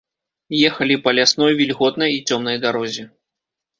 Ехалі па лясной вільготнай і цёмнай дарозе.